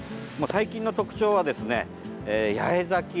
最近の特徴はですね、八重咲き。